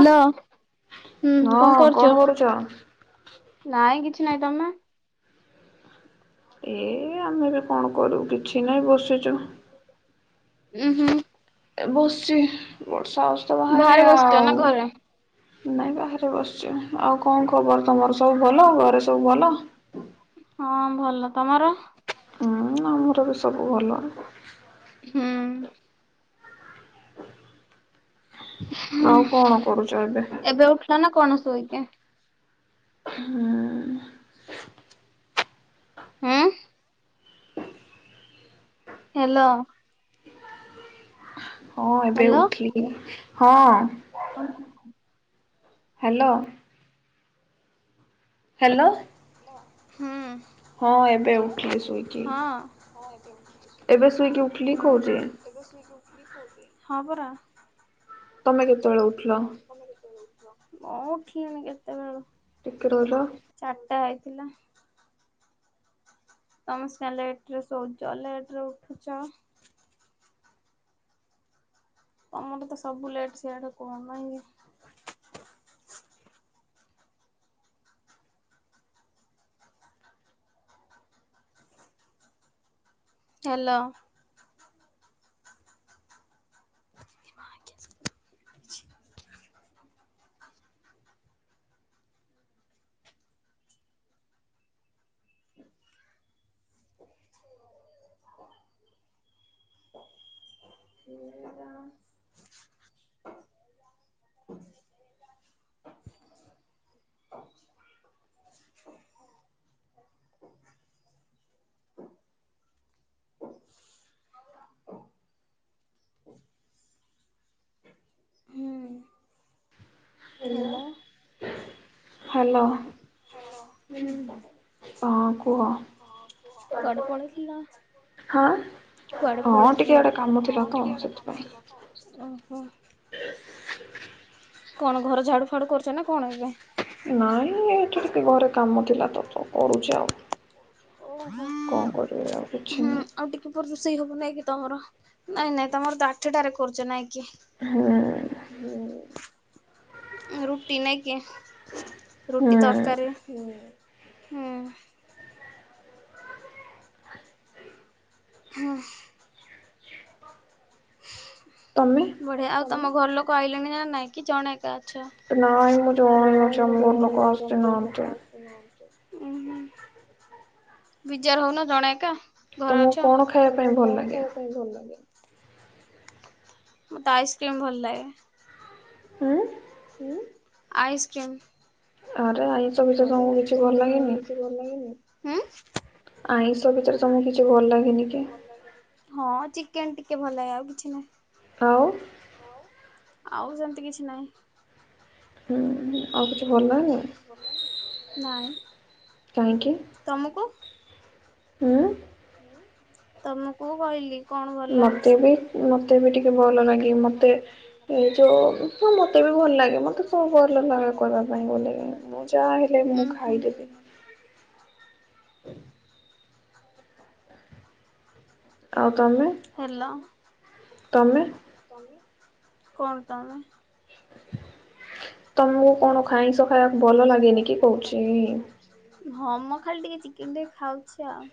ହେ୍ୟାଲ ହୁଁ କଣ କରୁଛ? ନାଇଁ କିଛି ନାଇଁ ତମେ? ଏ ଆମେ ବି କଣ କରିବୁ, କିଛି ନାଇଁ ବସିଛୁ। ବସିଛି, ବର୍ଷା ଅସ୍ତ ବାହାରେ ଆଉ। ନାଇଁ ବାହାରେ ବସିଛି, ଆଉ କଣ ଖବର ତମର ସବୁ ଭଲ, ଘରେ ସବୁ ଭଲ? ହଁ ଭଲ ତମର? ହାଁ ଆମର ବି ସବୁ ଭଲ। ହୁଁ ହୁଁ ଏବେ ଉଠିଲ ନା କଣ ସୋଇକି? ହଁ ହୁଁ ହଁ ହ୍ୟାଲୋ ହଁ ଏବେ ଉଠିଲିକି, ହଁ। ହାଲୋ। ହ୍ୟାଲୋ। ହ୍ୟାଲୋ। ହୁଁ ହ। ଏବେ ସୋଇକି ଉଠିଲିକ କହୁଛି। ଏବେ ସୁଇକି ଉଠ ହଁ ପରା। ତମେ କେତେବେଳେ ଉଠିଲ? ମୁଁ ଉଠିଲିଣି କେତେବେଳୁ। ଟିକେ ରହିଲ। ଚାରଟା ହେଇଥିଲା। ତମେ ସିନା ଲେଟ୍ ରେ ଶୋଉଛ ଲେଟ ରେ ଉଠୁଛ। ହଁ ମତେ ତ ସବୁ ଲେଟ୍ ସଆଡ଼େ କୁହ ନାହିଁ। ହ୍ୟାଲୋ ଆ ହ୍ୟାଲୋ ହଲୋ ହଲୋ। କୁଆଡ଼େ ପଳେଇଥିଲ? କୁଆଡେ ପଳେଇଥିଲ, ହଁ ଟିକେ ଗଟେ କାମ ଥିଲା ତ ଓହୋ କଣ ଘର ଝାଡୁ ଫାଡୁ କରୁଛ ନା କଣ ଏବେ ନାଇଁ ଏଠୁ ଟିକେ ଘରେ କାମ ଥିଲା ତ ତ କରୁଛି ଆଉ କୋଉ [unintelligible] ହଁ ହୁଁ। ଆଉ ଟିକେ ରୋଷେଇ ହବ ନାଇଁ କି ତମର ନାଇଁ ନାଇଁ ତମର ତ ଆଠଟାରେ କରୁଛ ନାଇଁ କି ରୁଟି ନାଇଁକି? ରୁଟି ତରକାରୀ ହୁଁ। ହୁଁ। ତମେ? ବଢ଼ିଆ ଆଉ ତମ ଘର ଲୋକ ଆଇିଲେଣି ନା ନାଇଁ? କି ଜଣେ ଏକା ଅଛ। [inaudible] [unintelligible] ଉଁ ହୁଁ ବିଜାର ହଉନ ଜଣେ ଏକା? ଘରେ ଅଛ, ତମକୁ କଣ ଖାଇବା ପାଇଁ ଭଲ ଲାଗେ? ମୋତେ ଆଇସ୍କ୍ରିମ୍ ଭଲ ଲାଗେ। ହୁଁ, ଆଇସ୍କ୍ରିମ୍। ଆରେ ଆଇ ଆରେ ଆଇଁଷ ଫାଇଁସ କିଛି ଭଲ ଲାଗେନି? ହୁଁ। ଆଇଁଷ ଭିତରେ ତମକୁ କିଛି ଭଲ ଲାଗେନି କି? ହଁ ଚିକେନ ଟିକେ ଭଲ ଲାଗେ ଆଉ କିଛି ନାହିଁ। ଆଉ। ଆଉ ସେମିତି କିଛି ନାହିଁ। ହୁଁ ଆଉ କିଛି ଭଲ ଲାଗେନି। ନାଇଁ। କାହିଁକି? ତମକୁ? ହୁଁ। ତମକୁ କହିଲି? କଣ ଭଲ ଲାଗୁଛି, ମତେ ବି ମତେ ଟିକେ ଭଲ ଲାଗେ ମତେ ମତେ ବି ଭଲ ଲାଗେ ମ କି କରିବା ପାଇଁ ଆଉ ତମେ? ହେଲ। ତମେ? ତମେ, କଣ ତମେ? ତମକୁ କଣ ଖାଇଁସ ଖାଇବାକୁ ଭଲ ଲାଗେନି କି କହୁଛି? ହଁ ମ ଖାଲି ଟିକେ ଚିକେନ ଟିକେ ଖାଉଛି ଆଉ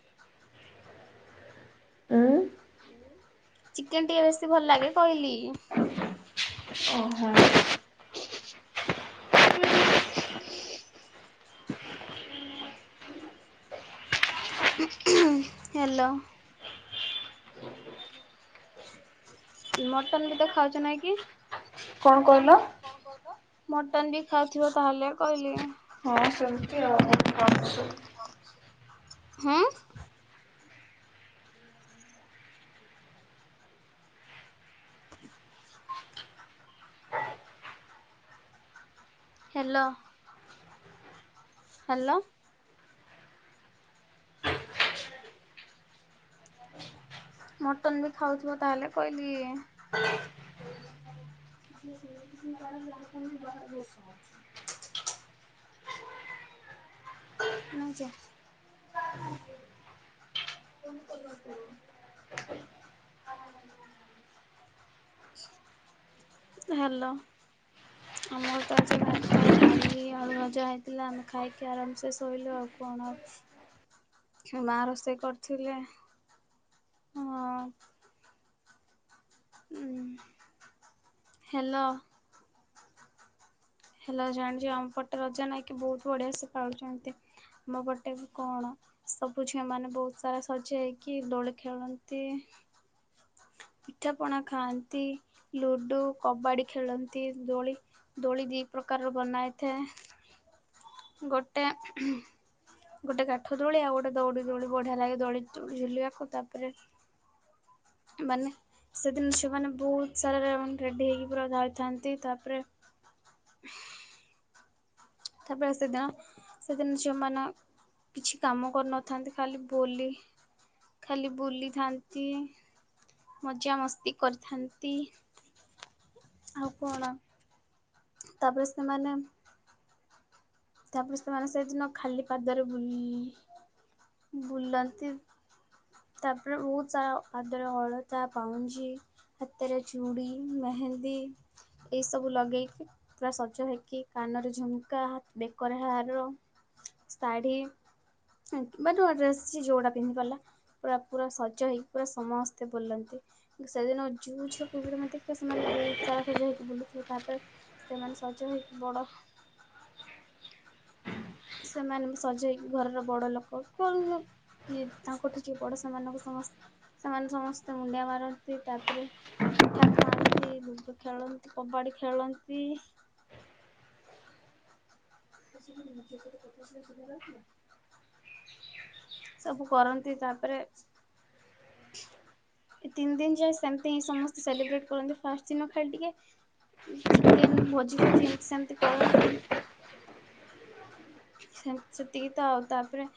ହୁଁ। ହୁଁ। ଚିକେନ ଟିକେ ବେଶୀ ଭଲ ଲାଗେ କଇଲି। ଅ ହ। ହାଲୋ। ମଟନ ବି ତ ଖାଉଛ ନାଇଁ କି? କଣ କହିଲ? କଣ କହିଲ, ମଟନ ବି ଖାଉଥିବ ତାହେଲେ କହିଲି। ହଁ ସେମିତି ଆଉ [inaudible] ହୁଁ। ହେଲୋ। ହାଲୋ। ମଟନ ବି ଖାଉଥିବ ତାହେଲେ କହିଲି। [inaudible] ଜାଣିନ୍ତି ବାହାରେ ବର୍ଷା ହଉଛି। ନାଇଁ ଯା। କଣ କରିବା କରୁ। ହାଲୋ। ଆମର ତ ଆଜି ଭାତ, ଡାଲି, ଆଳୁଭଜା ହେଇଥିଲା। ଆମେ ଖାଇକି ଆରାମସେ ଶୋଇଲୁ ଆଉ କଣ ଆଉ ଆଜି ମା ରୋଷେଇ କରିଥିଲେ। ହଁ। ହଁ ହେଲୋ। ହେଲା ଜାଣିଛ ଆମ ପଟେ ରଜ ନାଇକି ବହୁତ ବଢିଆ ସେ ପାଳୁଛନ୍ତି ତମ ପଟେ କଣ? ସବୁ ଝିଅ ମାନେ ବହୁତ ସାରା ସଜ ହେଇକି ଦୋଳି ଖେଳନ୍ତି। ପିଠାପଣା ଖାଆନ୍ତି ଲୁଡୁ କବାଡି ଖେଳନ୍ତି ଦୋଳି ଦୋଳି ଦି ପ୍ରକାରର ବନାହେଇଥାଏ ଗୋଟେ ଗୋଟେ କାଠ ଦୋଳି ଆଉ ଗୋଟେ ଦୌଡ଼ି ଦୌଡ଼ି ବଢିଆ ଲାଗେ ଦୋଳି ଦୋଳି ଝୁଲିବାକୁ ତାପରେ ମାନେ ସେଦିନ ସେମାନେ ବହୁତ ସାରା ରେଡ଼ି ହୋଇକି ପୁରା ରହିଥାନ୍ତି ତାପରେ ତାପରେ ସେଦିନ ସେଦିନ ଝିଅମାନେ କିଛି କାମ କରିନଥାନ୍ତି ଖାଲି ବୋଲି। ଖାଲି ବୁଲିଥାନ୍ତି। ମଜାମସ୍ତି କରିଥାନ୍ତି। ଆଉ କଣ ତାପରେ ସେମାନେ ତାପରେ ସେମାନେ ସେଦିନ ଖାଲି ପାଦରେ ବୁଲି ବୁଲନ୍ତି। ତାପରେ ବହୁତ ସାରା ପାଦରେ ଅଳତା ପାଉଁଞ୍ଜି ହାତରେ ଚୁଡ଼ି ମେହେନ୍ଦି ଏଇ ସବୁ ଲଗେଇକି ପୁରା ସଜ ହେଇକି କାନରେ ଝୁମ୍କା ହ ଦେଖ ବେକରେ ହାର ଶାଢ଼ୀ ବା ନୂଆ ଡ୍ରେସ୍ କି ଯୋଉଟା ପିନ୍ଧି ପାରିଲା। ପୁରା ପୁରା ସଜ ହେଇକି ପୁରା ସମସ୍ତେ ବୁଲନ୍ତି ସେଦିନ ଯଉ ଝିଅକୁ ବି ତମେ ଦେଖିବ ସେମାନେ ବହୁତ ସାରା ସଜ ହେଇକି ବୁଲୁଥିବେ ତାପରେ ସେମାନେ ସଜ ହେଇକି ବଡ ସେମାନେ ସଜେଇ ଘରର ବଡ ଲୋକ କୁ ଇୟେ ତାଙ୍କଠୁ ଯିଏ ବଡ ସେମାନଙ୍କୁ ସମସ୍ତ ସେମାନେ ସମସ୍ତଙ୍କୁ ମୁଣ୍ଡିଆ ମାରନ୍ତି ତାପରେ ପିଠା ଖାଆନ୍ତି ଲୁଡୁ ଖେଳନ୍ତି କବାଡ଼ି ଖେଳନ୍ତି। [unintelligible] ସବୁ କରନ୍ତି ତାପରେ ତିନି ଦିନ ଯାଏ ସେମତି ହିଁ ସମସ୍ତେ ସେଲିବ୍ରେଟ କରନ୍ତି ଫାଷ୍ଟ ଦିନ ଖାଲି ଟିକେ ଚିକେନ ଭୋଜି ଫୋଜି ଏମତି ସେମତି କରନ୍ତି। ସେତିକି ତ ଆଉ ତାପରେ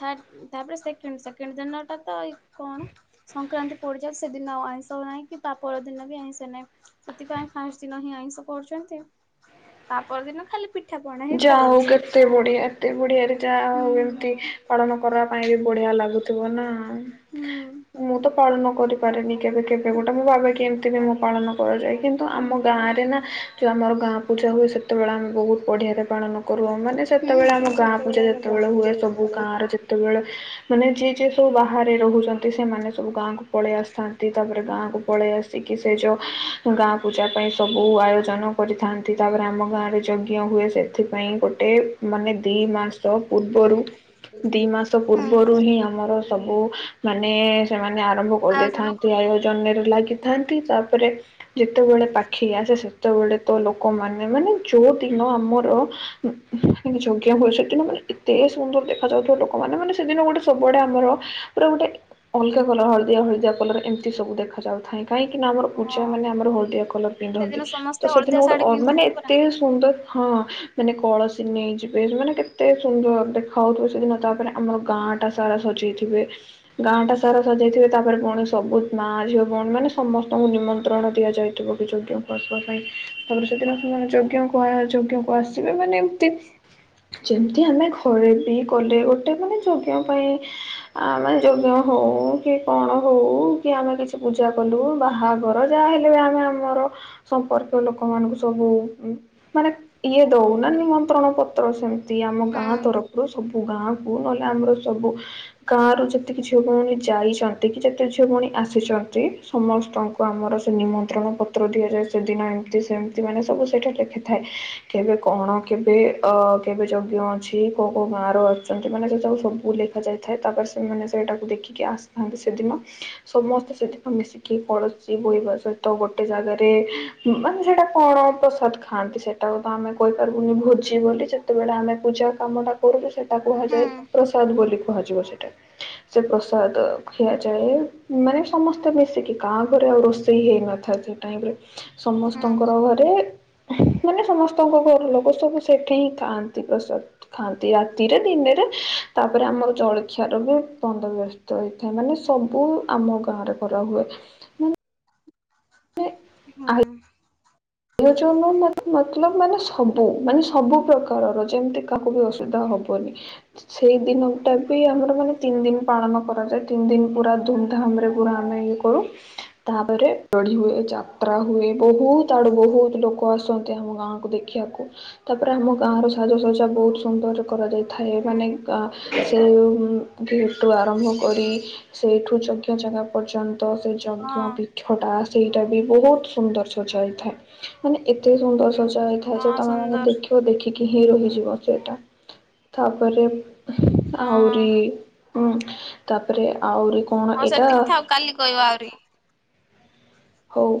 ଥାର୍ ତାପରେ ସେକେଣ୍ଡ ସେକେଣ୍ଡ ଦିନଟା ତ ଏ କଣ ସଂକ୍ରାନ୍ତି ପଡିଯାଏ ସେଦିନ ଆଉ ଆଇଁଷ ନାଇଁ କି ତା ପରଦିନ ବି ଆଇଁଷ ନାହିଁ। ସେଥିପାଇଁ ଫାଷ୍ଟ ଦିନ ହିଁ ଆଇଁଷ କରୁଛନ୍ତି ତା ପରଦିନ ଖାଲି ପି ପିଠା ପଣା ହିଁ ପଳଉଛି। କେତେ ବଢିଆରେ ଯାହା ହଉ ଏମତି ପାଳନ କରିବା ପାଇଁ ବି ବଢିଆ ଲାଗୁଥିବ ନା ମୁଁ ତ ପାଳନ କରିପାରେନି କେବେ କେବେ ଗୋଟେ ମୋ ବାବା କେ ଏମିତି ବି ମୁଁ ପାଳନ କରାଯାଏ କିନ୍ତୁ ଆମ ଗାଁରେ ନା ଗାଁରେ ନା [unintelligible] ବଢ଼ୀଆରେ ପାଳନ କରୁ ମାନେ ସେତେବେଳେ ଆମ ଗାଁ ପୂଜା ଯେତେବେଳେ ହୁଏ ସବୁ ଗାଁର ଯେତେବେଳେ ମାନେ ଯିଏ ଯିଏ ସବୁ ବାହାରେ ରହୁଛନ୍ତି ସେମାନେ ସବୁ ଗାଁକୁ ପଳେଇ ଆସିଥାନ୍ତି ତାପରେ ଗାଁକୁ ପଳେଇ ଆସିକି ସେ ଯଉ ଗାଁ ପୂଜା ପାଇଁ ସବୁ ଆୟୋଜନ କରିଥାନ୍ତି ତାପରେ ଆମ ଗାଁରେ ଯ ହୁଏ ସେଥିପାଇଁ ଗୋଟେ ମାନେ ଦି ମାସ ପୂର୍ବରୁ ଦି ମାସ ପୂର୍ବରୁ ହିଁ ଆମର ସବୁ ମାନେ ସେମାନେ ଆରମ୍ଭ କରିଦେଇଥାନ୍ତି ଆୟୋଜନରେ ଲାଗିଥାନ୍ତି ତାପରେ ଯେତେବେଳେ ପାଖେଇ ଆସେ ସେତେବେଳେ ତ ଲୋକମାନେ ମାନେ ମାନେ ଯୋଉ ଯୋଉ ଦିନ ଆମର ଯଞ ହୁଏ ସେଦିନ ମାନେ ଏତେ ସୁନ୍ଦର ଦେଖାଯାଉଥିବ ଲୋକମାନେ ମାନେ ସେଦିନ ଗୋଟେ ସବୁଆଡେ ଆମର ପୁରା ଗୋଟେ ଅଲଗା କଲର ହଳଦିଆ ହଳଦିଆ କଲର ଏମିତି ସବୁ ଦେଖାଯାଉଥାଏ। କାହିଁକି ନା ଆମର ଉଚ୍ଚା ମାନେ ଆମର ହଳଦିଆ କଲର ପିନ୍ଧନ୍ତି ତ ସେଦିନ ଗୋଟେ ମାନେ ଏତେ ସୁନ୍ଦର ହଁ ମାନେ କଳସୀ ନେଇଯିବେ ମାନେ କେତେ ସୁନ୍ଦର ଦେଖାଯାଉଥିବ ସେଦିନ ତାପରେ ଆମର ଗାଁ ଟା ସାରା ସଜେଇଥିବେ ଗାଁଟା ସାରା ସଜାଇଥିବେ ତାପରେ ପୁଣି ସବୁ ମା ଝିଅ ଭଉଣୀ ମାନେ ସମସ୍ତଙ୍କୁ ନିମନ୍ତ୍ରଣ ଦିଆଯାଇଥିବ। ଜୋ ଯଜ୍ଞ ପଢିବା ପାଇଁ ତାପରେ ସେଦିନ ସେମାନେ ଯଜ୍ଞ କୁ ଆଇ ଯଜ୍ଞ କୁ ଆସିବେ ମାନେ ଏମତି ଯେମିତି ଆମେ ଘରେ ବି କଲେ ଗୋଟେ ମାନେ ଯଜ୍ଞ ପାଇଁ ଆମେ ଯଜ୍ଞ ହଉ କି କଣ ହଉ କି ଆମେ କିଛି ପୂଜା କଲୁ ବାହାଘର ଯାହା ହେଲେ ବି ଆମେ ଆମର ସମ୍ପର୍କୀୟ ଲୋକମାନଙ୍କୁ ସବୁ ମାନେ ଇଏ ଦଉନା ନିମନ୍ତ୍ରଣ ପତ୍ର, ସେମିତି ଆମ ଗାଁତରଫ ରୁ ସବୁ ଗାଁକୁ ନହେଲେ ଆମର ସବୁ ଗାଁ ରୁ ଯେତିକି ଝିଅ, ଭଉଣୀ ଯାଇଛନ୍ତି କି ଯେତେ ଝିଅ, ଭଉଣୀ ଆସିଛନ୍ତି ସମସ୍ତଙ୍କୁ ଆମର ସେ ନିମନ୍ତ୍ରଣ ପତ୍ର ଦିଆଯାଏ ସେଦିନ ଏମିତି ସେମିତି ମାନେ ସବୁ ସେଇଠି ଲେଖି ଥାଏ। କେବେ କଣ କେବେ ଅ କେବେ ଯଜ୍ଞ ଅଛି କୋଉ କୋଉ ଗାଁ ର ଅଛନ୍ତି ମାନେ ସେ ତାକୁ ସବୁ ଲେଖି କରା ଯାଇଥାଏ। ତାପରେ ସେମାନେ ସେଇଟାକୁ ଦେଖିକି ଆସିଥାନ୍ତି ସେଦିନ, ସମସ୍ତେ ସେଥି ପାଇଁ ମିଶି କି କଳସୀ ବୁହିଇବା ସହିତ ଗୋଟେ ଜାଗାରେ ମାନେ ସେଟା କଣ ପ୍ରସାଦ ଖାଆନ୍ତି, ସେଟାକୁ ତ ଆମେ କହିପାରିବୁନି ଭୋଜି ବୋଲି ଯେତେବେଳେ ଆମେ ପୂଜା କାମଟା କରନ୍ତି ସେଟା କୁହାଯାଏ ପ୍ରସାଦ ବୋଲି କୁହାଯିବ ସେଟା। ସେ ପ୍ରସାଦ ଖିଆଯାଏ। ମାନେ ସମସ୍ତେ ମିଶିକି କାହା ଘରେ ଆଉ ରୋଷେଇ ହେଇନଥାଏ ସେ ଟାଇମ୍ ରେ, ସମସ୍ତଙ୍କର ଘରେ ମାନେ ସମସ୍ତଙ୍କ ଘରେ ଲୋକ ସବୁ ସେଠି ହିଁ ଖାଆନ୍ତି ପ୍ରସାଦ ଖାଆନ୍ତି ରାତିରେ, ଦିନେରେ ତାପରେ ଆମର ଜଳଖିଆର ବି ବନ୍ଦ ବ୍ୟସ୍ତ ସ୍ତ ହୋଇଥାଏ, ମାନେ ସବୁ ଆମ ଗାଁରେ କରାହୁଏ। ହୁଁ। ପ୍ରୟୋଜନ ମତଲବ, ମାନେ ସବୁ ମାନେ ସବୁ ପ୍ରକାରର ଯେମତି କାହାକୁ ବି ଅସୁବଧା ହବ ବନି। ସେଇ ଦିନ ଟା ବି ଆମର ମାନେ ତିନି ଦିନି ପାଳନ କରାଯାଏ, ତିନି ଦିନି ପୁରା ଧୁମଧାମ୍ ରେ ପୁରା ଆମେ ଇଏ କରୁ। ତାପରେ ପଢି ହୁଏ, ଯାତ୍ରା ହୁଏ ବହୁତ ଆଡେ ବହୁତ ଲୋକ ଆସନ୍ତି ଆମ ଗାଁକୁ ଦେଖିବାକୁ। ତାପରେ ଆମ ଗାଁ ର ସାଜସଜ୍ଜା ବହୁତ ସୁନ୍ଦରରେ କରାଯାଇଥାଏ, ମାନେ ଗାଁ ସେ ଉମ ଗେଟ୍ ଠୁ ଆରମ୍ଭ କରି ସେଇଠୁ ଯଜ୍ଞ ଜାଗା ପର୍ଯ୍ୟନ୍ତ ସେ ଯଜ୍ଞ ପୀଠ ଟା ସେଇଟା ବି ବହୁତ ସୁନ୍ଦର ସଜା ହେଇ ନ୍ଦର ଥାଏ। ମାନେ ଏତେ ସୁନ୍ଦର ସଜା ହେଇଥାଏ ଯେ ତମେ ମାନେ ଦେଖି ତ ଦେଖିକହି ରହି ଯିବ ସେଇଟା, ତାପରେ ହୁଁ ଆହୁରି ହୁଁ ତାପରେ ଆହୁରି କଣ ଏଇଟା କାଲି କଇବ ଆଉରି। ହଉ।